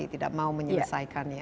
kalau tidak mau menyelesaikannya